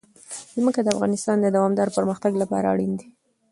ځمکه د افغانستان د دوامداره پرمختګ لپاره اړین دي.